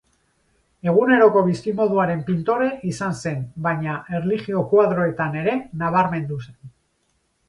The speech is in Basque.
Eguneroko bizimoduaren pintore izan zen baina, erlijio-koadroetan ere nabarmendu zen.